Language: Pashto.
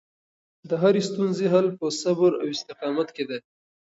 د هرې ستونزې حل په صبر او استقامت کې دی.